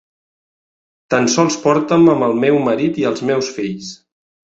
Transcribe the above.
Tan sols porta'm amb el meu marit i els meus fills.